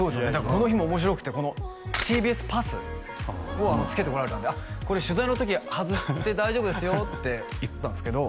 この日も面白くてこのＴＢＳパスをつけてこられたんでこれ取材の時は外して大丈夫ですよって言ったんですけど